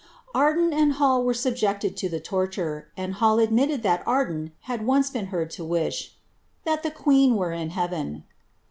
.^rden and Hall were subjected to the torture, and Hall admitted thi Arden had once been heaid to wish " that the queen were in heaven.